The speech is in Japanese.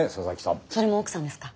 それも奥さんですか？